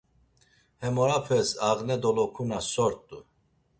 Hem orapes ağne dolokuna so’rt̆u.